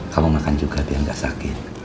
kalau makan juga dia nggak sakit